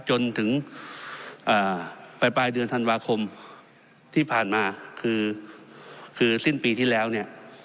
จนถึงปลายเดือนธันวาคมที่ผ่านมาคือสิ้นปีที่แล้วเนี่ย